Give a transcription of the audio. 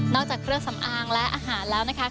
จากเครื่องสำอางและอาหารแล้วนะคะ